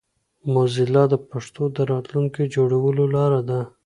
موزیلا د پښتو د راتلونکي جوړولو لاره ده.